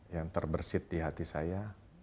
yang terbersih di hati saya